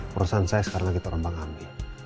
perusahaan saya sekarang lagi terlambang ambil